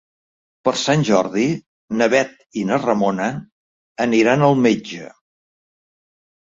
Per Sant Jordi na Bet i na Ramona aniran al metge.